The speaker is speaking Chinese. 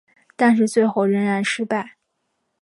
但是最后仍然失败。